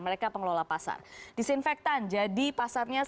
mereka pengelola pasar